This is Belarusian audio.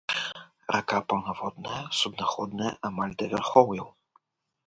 Рака паўнаводная, суднаходная амаль да вярхоўяў.